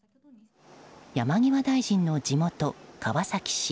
山際大臣の地元・川崎市。